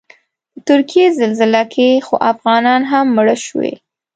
په ترکیې زلزله کې خو افغانان هم مړه شوي.